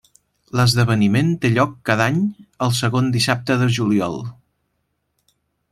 L'esdeveniment té lloc cada any el segon dissabte de juliol.